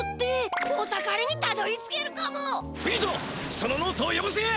そのノートをよこせ！